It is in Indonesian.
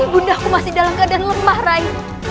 bundaku masih dalam keadaan lemah rai